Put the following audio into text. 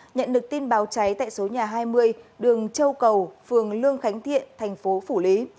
nhận được tin báo cháy tại số nhà hai mươi đường châu cầu phường lương khánh thiện thành phố phủ lý